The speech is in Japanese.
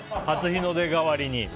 初日の出代わりに。